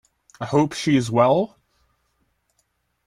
I hope she is well?